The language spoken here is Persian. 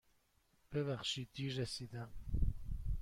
ببخشید دیر رسیدم.